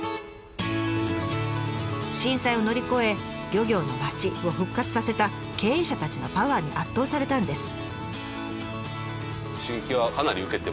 震災を乗り越え漁業の町を復活させた経営者たちのパワーに圧倒されたんです。